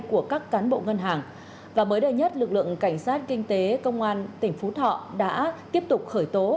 của các cán bộ ngân hàng và mới đây nhất lực lượng cảnh sát kinh tế công an tỉnh phú thọ đã tiếp tục khởi tố